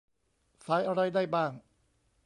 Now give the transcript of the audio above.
สายอะไรได้บ้าง ?